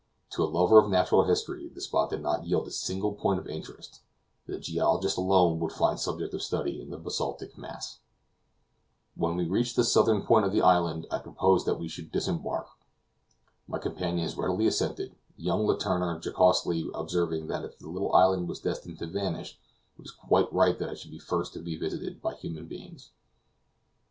To a lover of natural history, the spot did not yield a single point of interest; the geologist alone would find subject of study in the basaltic mass. When we reached the southern point of the island I proposed that we should disembark. My companions readily assented, young Letourneur jocosely observing that if the little island was destined to vanish, it was quite right that it should first be visited by human beings.